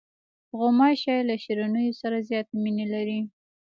غوماشې له شیرینیو سره زیاتې مینې لري.